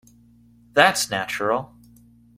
That's natural.